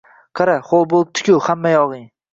Qara, ho‘l bo‘libdi-ku… hammayog‘ing.